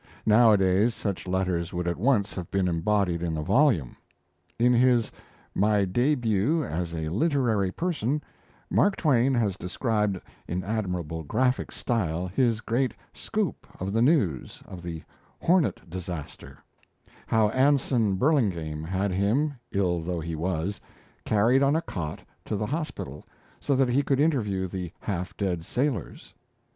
Nowadays such letters would at once have been embodied in a volume. In his 'My Debut as a Literary Person', Mark Twain has described in admirably graphic style his great "scoop" of the news of the Hornet disaster; how Anson Burlingame had him, ill though he was, carried on a cot to the hospital, so that he could interview the half dead sailors.